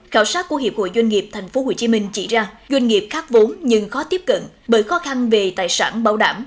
khảo sát của hiệp hội doanh nghiệp tp hcm chỉ ra doanh nghiệp khác vốn nhưng khó tiếp cận bởi khó khăn về tài sản bảo đảm